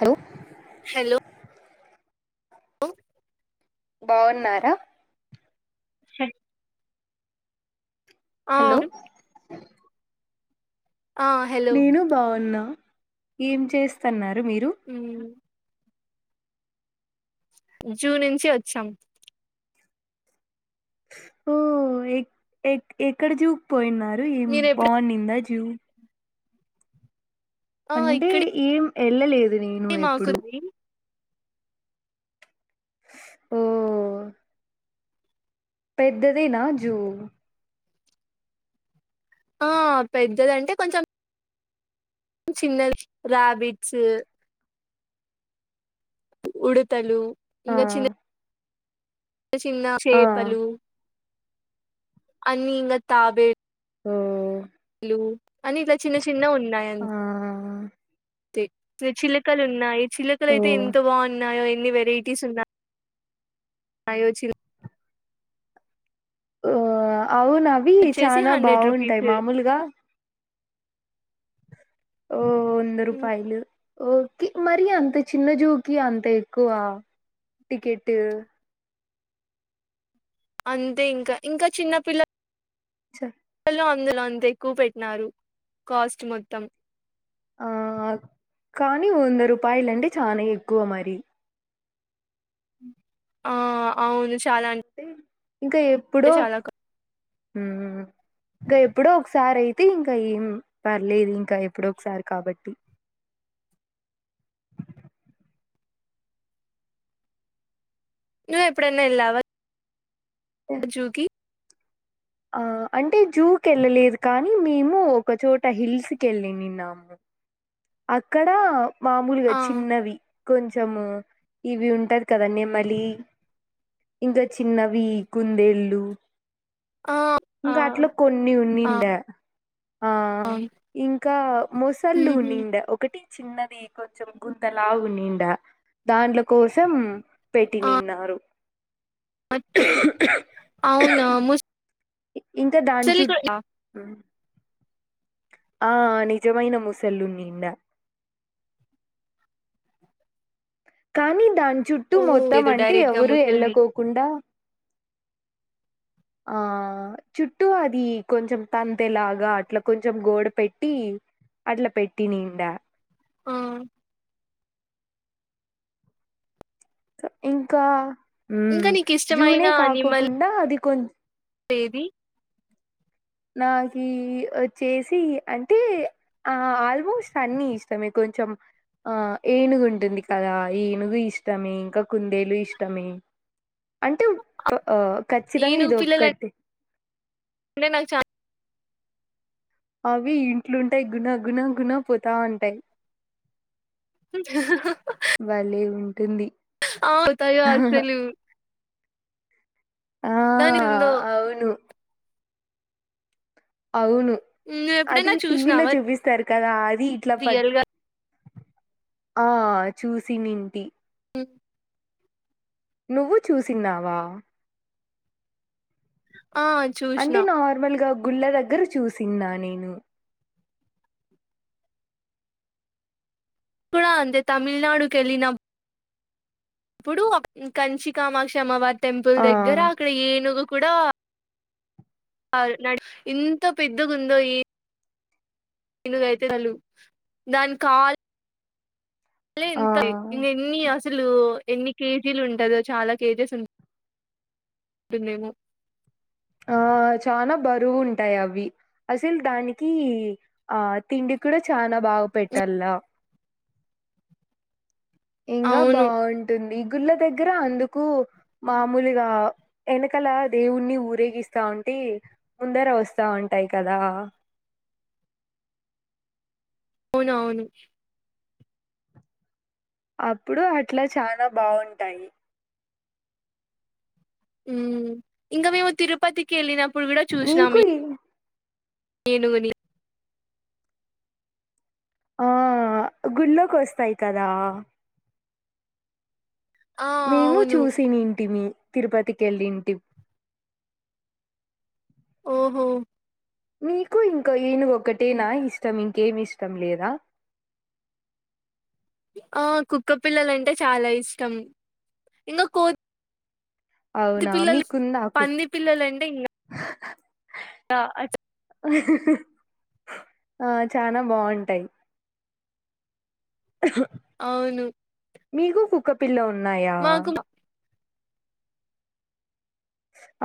Hello hello బాగున్నారా ఆ hello ఆ హలో నేను బాగున్నా ఏం చేస్తున్నా ఉ జూ నుంచి వచ్చాం ఓ ఎ ఎక్కడ జూక్ పోయిన్నారు ఏం మీరు ఎప్పుడు బాగు నిందా జూ ఆ అంటే ఇక్కడే ఏం ఎళ్లలేదు నేను ఎప్పుడు మాకుంది ఓ పెద్దదేనా జూ ఆ పెద్దదంటే కొంచెం చిన్నది రాబిట్స్ ఉడతలు ఆ ఇంగొ చిన్న చిన్న ఆ చేపలు అన్ని ఇంకా తాబే ఉ లు అన్ని ఇట్ల చిన్న చిన్న ఉన్నాయి అంత్ ఆ తే చిలకలు ఉన్నాయి. చిలకలు ఓ అయితే ఎంత బాగున్నాయో ఎన్ని వెరైటీస్ ఉన్నయో చి ఆ అవునవి వచ్చేసి చాలా హండ్రెడ్ రూపీస్ బాగుంటాయి మామూలుగా ఓ వంద రూపాయలు ఓకె మరి అంత చిన్న జూకి అంత ఎక్కువా టికెట్ అంతే ఇంకా ఇంకా చిన్నపిల్ చ లో అందులో అంత ఎక్కువ పెట్టినారు కాస్ట్ మొత్తం ఆ కానీ వంద రూపాయల అంటే చాలా ఎక్కువ మరి ఆ అవును చాలా అంట్ ఇంకా ఎప్పుడో ఇంకా ఎప్పుడో ఒకసారి అయితే ఇంకా ఏం పర్లేదు ఇంకా ఎప్పుడో ఒకసారి కాబట్టి నువ్వు ఎప్పుడన్న ఎల్లావా జూకి ఆ అంటే జూకి ఎళ్ళలేదు కానీ మేము ఒకచోట హిల్స్ కెళ్ళినిన్నాము అక్కడ మామూలుగా ఆ చిన్నవి కొంచ్ చం ఇవి ఉంటాది కదా నెమాలి ఇంకా చిన్నవి కుందేళ్ళు ఆ ఆ ఇంకా అట్లో కొన్ని ఆ ఉన్నిందా ఆ ఇంకా ఉహు మొసళ్ళలుని ఒకటి చిన్నది కొంచెం గుంతలా ఉనిండా దాంట్ల కోసం ఆ పెట్టినిన్నారు అవునా ముస్ ఇంకా దాని చుట్ ఆ నిజమైన మోసళ్ళు ఉండిండా కానీ దాని చుట్ట ఓ మొత్తం లేదు అంటే డైరెక్ట్ గా ఎవరూ ముసలిని ఎళ్ళకోకుండా ఆ చుట్టూ అది కొంచెం తంతెలాగా అట్లా కొంచెం గోడ పెట్టి అట్లా పెట్టినిండా ఆ ఇంకా ఇంకా నీకు ఇష్టమైన జూనే కాకోకుండా అది కొంచ తేది నాకి వచ్చేసి అంటే ఆ ఆల్మోస్ట్ అన్ని ఇష్టాం మీకు కొంచం ఆ ఏనుగు ఉంటుంది కదా ఏనుగు ఇష్టమే ఇంకా కుందేలు ఇష్టమే అంటే ఖచ్చితంగా ఇది ఒక్కటి చా అవి ఇంట్లుంటాయి గుణ గున గుణ పోతా ఉంటాయి బాలే అవుతయో అసలు ఆ దనిందు అవును అవును నువ్వు అది ఎప్పుడైనా టీవీలో చూసినావా చూపిస్తారు కదా అది ఇట్లా ప రియల్ గా ఆ చూసి నింటి హ నువ్వు చూసిన్నావా ఆ చూసిన అంటే నార్మల్గా గుళ్ళ దగ్గర చూసిన్నా నేను దకుళ అందే తమిళనాడుకెళ్ళన ఇప్పుడు కంచి కామాక్షమ్మ టెంపుల్ ఆ దగ్గర అక్కడ ఏనుగు కూడా ఇంత పెద్దగ ఉందో ఈ ననుగైతే చలు దాని కాల్ అ ఆ ఎంత ఇ ఎన్ని అసలు ఎన్ని కేజీలు ఉంటందో చాలా కేజీస్ ఉంట పన్నే ఆ చాలా బరువు ఉంటాయి అవి అసలు దానికి ఆ తిండి కూడా చాలా భాగ పెట్టలా ఇంకా అవును బాగుంటుంది గుళ్ళ దగ్గర అందుకు మామూలుగా ఎనకల దేవుణని ఊరేగిస్తా ఉంటే ముందర వస్తా ఉంటాయి కదా [inaudible] అవును అవును అప్పుడు అట్లా చాలా బాగుంటాయి ఉ ఇంకా మేము తిరుపతికి వెళ్ళినప్పుడు కూడా నీకు చూసినాము ఈ- ఏనుగుని ఆ గుళ్ళోకి వస్తాయి కదా ఆ మేము అవును చూసినంటి మీ తిరుపతికెళ్ళింటి ఓహో నీకు ఇంకా ఏనుగు ఒకటేనా ఇష్టం ఇంకేమి ఇష్టం లేదా [inaudible] ఆ కుక్కపిల్లలంటే చాలా ఇష్టం ఇంకా కో పది అవునా పిల్లలు మీకుందా కుక్ పంది పిల్లలుంటే ఇంకా టా ఆ చానా బాగుంటాయి [inaudible] అవును మీకు కుక్కపిల్ల ఉన్నాయా మాకు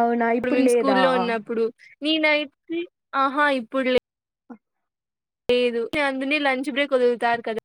అవునా ఇప్పుడు గర్మెం స్కూ లేదా లో ఉన్నప్పుడు నీ నైట్కి ఆహా ఇప్పుడు లేదు లేదు అందు లంచ్ బ్రేక్ వదువుతారు కదా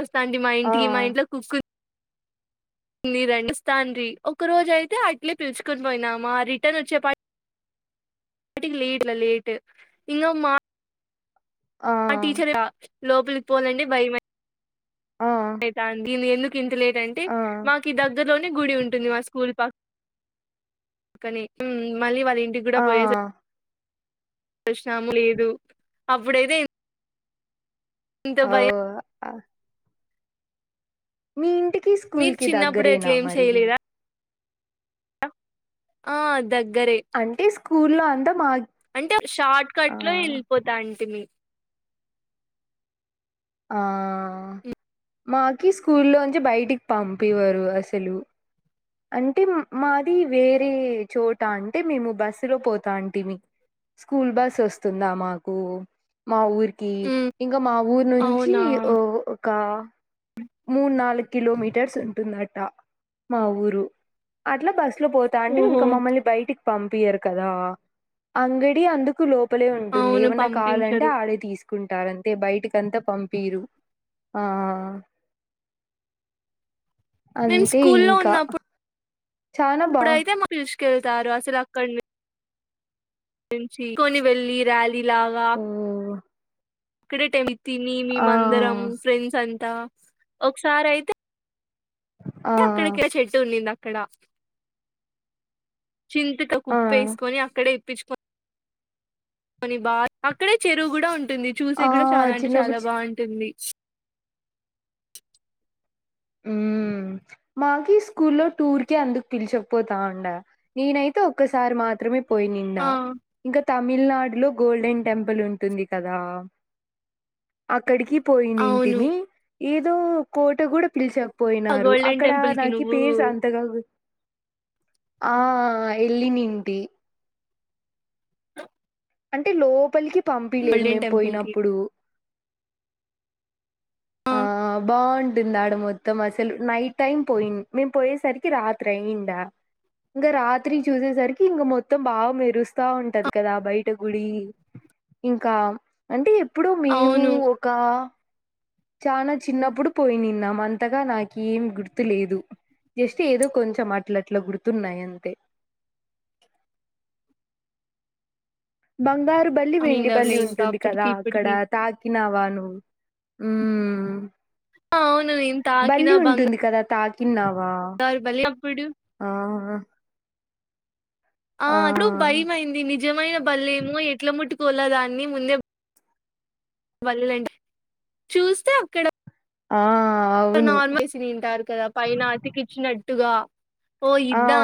వస్తా అండి మా ఆ ఇంటికి మా ఇంట్లో కుక్ నీ రెండు స్నీ ఒక రోజు అయితే అట్లే పిలుచుకొని పోయినామా రిటర్న్ వచ్చే పాటు టికి లేట్ల లేేట్ ఇంగ మా ఆ టీచర్ లోపలికి పోాలంటే భయ ఆ దీ ఎందుకు ఇంతలేట్ంటే ఆ మాకు దగ్గరలోనే గుడి ఉంటుంది మా స్కూల్ పక్క కాని మళ్ళీ వాళ్ళ ఇంటికి కూడా ఆ పోయేసారు పరిశనామ లేదు అప్పుడైతే ఇంత అఓ భయం మీ ఇంటికి స్కూల్ మీరు కి చిన్నప్పుడు దగ్గరేనా ఎట్లా ఏం మరి చేయలేదా ఆ దగ్ అంటే స్కూల్ లో అంత మాగి అంటే షార్ట్ కట్ లో వెళ్ళిపోతా అంటడి మీ ఆ మాకి స్కూ లో నుంచి బయటికి పంపేవారు అసలు అంటే మాది వేరే చోట అంటే మేము బస్సు లో పోతా అంటే మీ స్కూల్ బస్ వస్తుందా మాకు మా ఊరి హ్మ్ ఇంకా మా ఊరు నుంచి అవునా మూడు నాలుగు కిలోమీటర్స్ ఉంటుందట మా ఊరు అట్ బస్ లో పో ఇం ఓహో మల్ బయ పంపరు కదా అంగడి అందుకు లో లోప్పులే ఉంటుంది అవును ఏమన్నా కావాలంటే పంపించరు ఆడే తీసుకు కుంటారంటే బయటకంతా పంపరు ఆ మేము అంతే స్కూ లో ఇంకా ఉన్నప్పుడు చానా బా ఇప్పుడైతే మా తీసుకెళ్తారు అసలు అక్కడిని గురించి కొని వెెళ్ళలి ర్యాలీ లాగా ఓ అక్కడే టెమి తిని ఆ మేమందరం ఫ్రెండ్స్ అంతా ఒకసారి అయితే ఆ అక్కడికి చెట్టు ఉన్నింది అక్కడ చింతక ఆ కుప్ప వేసుకొని అక్కడే ఇప్పించుక కొనీ బా అక్కడే చెరువు కూడా ఉంటుంది చూసే ఆ కూడా చాలా అంటే చిన్నప్పుడు చాలా బాగుంటుంది ఉ మాక స్కూ లో టూర్ క అందుకు పిల్చకపోతా ఉండ నేనైతే ఒక్కసారి మాత్రమే పోయి నిడా ఆ ఇంకా తమిళనాడులో గోల్డెన్ టెంపుల్ ఉంటుంది కదా అక్కడికి పోయినంటి అవును మీ ఏదో కోట కూడా పిలిచా ఆ పోయినారు గోల్డెన్ అక్కడ టెంపుల్ కి నాకు నువ్వు పేరుస్ అంతగా ఆ వెళ్ళ నింటి అంటే లోపలికి పంపిలేదు గోల్డెన్ మేము టెంపుల్ కి పోయినప్పుడు ఆ బాగు దిందాడు మొత్తం అసలు నైట్ టైం పోయి మేము పోయేసరికి రాత్రి అయందా ఇంకా రాత్రి చూసేసరికి ఇంక మొత్తం బాగా మెరుస్తా ఉంటది కదా బయట గుడి ఇంకా అంటే ఎప్పుడు మేము అవును ఒక చనా చిన్నప్పుడు పోయి నిన్నాంమంతగా నాక ఏం గుర్తులేదు జస్ట్ ఏదో కొంచెం అట్లట్లా గుర్తున్నాయి అంతే [inaudible] బంగారు బల్లి వెండి బల్లి నిండవులే ఇంకా ఉంటుంది కదా అప్పటికి అక్కడ ఇప్పటికి తాకినావాను ఉ ఆ, అవును నేను బల్లి ఉంటుంది కదా తాకి సారు బల అప్పుడు ఆ ఆ అటు ఆ భయ అైంది నిజమైన బల్లే ఏమో ఎట్ల ముట్టు కోలా దాన్ని ముందేండి చూస్తే అక్కడ ఆ అవును. నార్మల్సి తింటారు కదా పైన అతికిచ్చినట్టుగా ఓ ఆ! ఇద్దా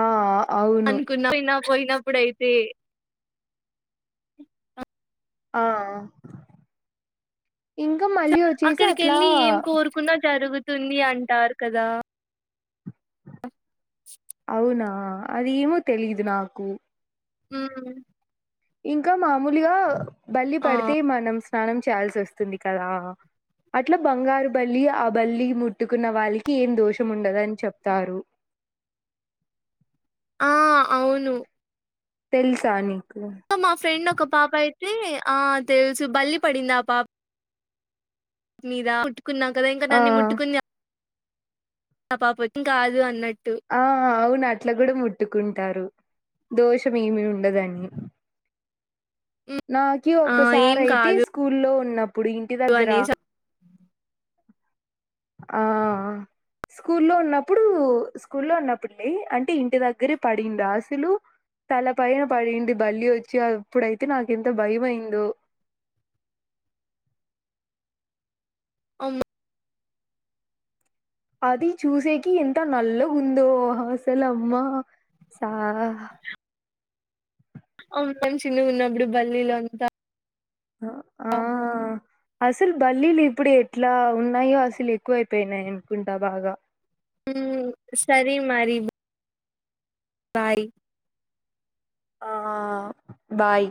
ఆ! అవును. అనుకున్నా కోయినా పడయితే ఆ ఇంకా మళ్ళీ వచ్చేసి అక్కడికి అట్లా వెళ్ళి ఏం కోరుకున్నా జరుగుతుంది అంటారు కదా అవునా అదిమో తెలీదు నాకు హు ఇంకా మామూలుగా బళ్లి ఆ పడితే మనం స్నానం చేయాల్సి వస్తుంది కదా అట్లా బంగారు బల్లి ఆ బల్లి ముట్టుకున్న వాళ్ళకి ఏం దోషం ఉండదని చెప్తారు ఆ అవును తెలుసా నీక్ మా ఫ్రెండ్ ఒక పాప అయితే ఆ తెలుసు బళ్లి పడింది ఆ పాప మీద ముట్టుకున్నాం కదా ఇంకా ఆ! దాన్ని ముట్టుకుని ఆ పాపది ఇంక అదేదో అన్నది ఆ అవును అట్ల కూడా ముట్ పట్టుకుంటారు దోషం ఏమి ఉండదని నాకి ఆ ఏం ఒకసారి అయితే కాదు స్కూల్లో ఉన్నప్పుడు ఇంటి దగ్గర అనేసి ఆ స్కూల్లో ఉన్నప్పుడు స్కూల్లో ఉన్నప్పుడే అంటే ఇంటి దగ్గరే పడిందా అసలు తల పైన పడింది బళ్లి వచ్చి అప్పుడైతే నాకెంత భయమైయిందో అవునా అది చూసేకి ఎంత నల్లగుందో అసలమ్మ స అవును మేము చిన్న ఉన్నప్పుడు బల్లీలో అంతా ఆ అసలు బల్లీలు ఇప్పుడు ఎట్లా ఉన్నాయో అసలు ఎక్కువయిపోయినాయి అనుకుంటా బాగా ఊ సరే మరి బాయ్ ఆ బాయ్